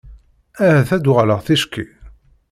Ahat ad d-uɣaleɣ ticki.